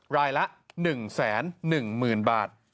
รายละ๑แสน๑หมื่นบาท